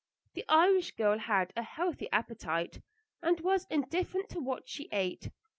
The Irish girl had a healthy appetite, and was indifferent to what she ate.